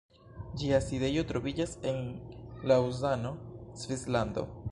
Ĝia sidejo troviĝas en Laŭzano, Svislando.